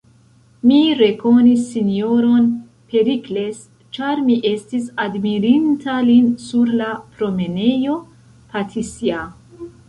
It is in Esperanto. Mi rekonis S-ron Perikles, ĉar mi estis admirinta lin sur la promenejo Patisja.